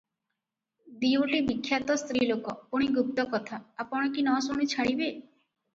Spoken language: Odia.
ଦିଓଟି ବିଖ୍ୟାତ ସ୍ତ୍ରୀଲୋକ ପୁଣି ଗୁପ୍ତକଥା ଆପଣ କି ନ ଶୁଣି ଛାଡ଼ିବେ?